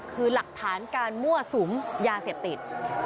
คือหลักฐานการมั่วสุมยาเสพติด